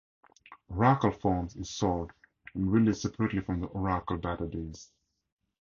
Oracle Forms is sold and released separately from the Oracle Database.